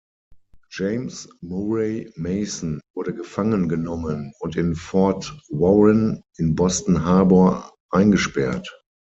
James Murray Mason wurde gefangen genommen und in Fort Warren in Boston Harbor eingesperrt.